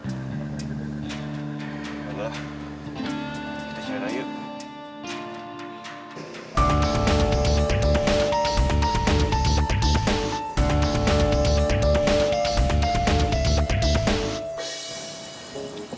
kita jalan yuk